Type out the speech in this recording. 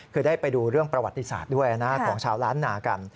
คือได้ไปดูเรื่องประวัติศาสตร์ด้วยนะของชาวล้านนากัน